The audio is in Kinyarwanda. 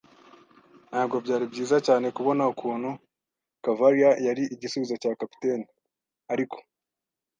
Ntabwo byari byiza cyane, kubona ukuntu cavalier yari igisubizo cya capitaine. Ariko